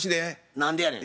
何でやねん？